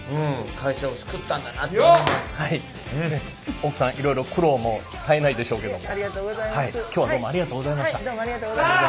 奥さんいろいろ苦労も絶えないでしょうけども今日はどうもありがとうございました。